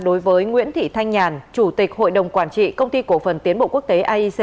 đối với nguyễn thị thanh nhàn chủ tịch hội đồng quản trị công ty cổ phần tiến bộ quốc tế aic